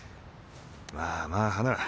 まあまあ花